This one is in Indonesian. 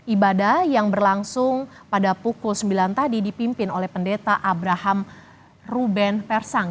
ibadah yang berlangsung pada pukul sembilan tadi dipimpin oleh pendeta abraham ruben persang